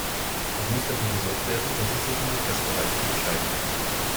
Es muss dafür gesorgt werden, dass sie sich im Adressbereich unterscheiden.